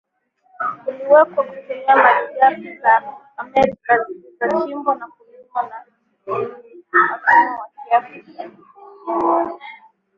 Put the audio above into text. uliwekwa kutumia malighafi za Amerika zilizochimbwa na kulimwa na watumwa Wa kiafrika